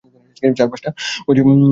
চারপাশটা ঘুরে দেখো।